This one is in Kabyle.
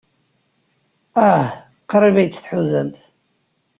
Ah, qrib ay tt-tḥuzamt.